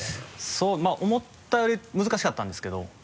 そうまぁ思ったより難しかったんですけど。